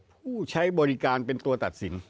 ผู้ใช้บริการเป็นตัวตัดสิน